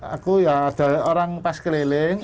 aku ya ada orang pas keliling